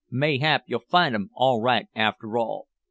Mayhap you'll find 'em all right after all.